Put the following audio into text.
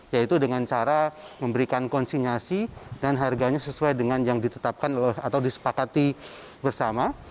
yaitu dengan cara memberikan konsinyasi dan harganya sesuai dengan yang ditetapkan atau disepakati bersama